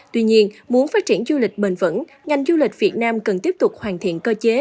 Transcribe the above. tuy nhiên muốn phát triển du lịch bền vững ngành du lịch việt nam cần tiếp tục hoàn thiện cơ chế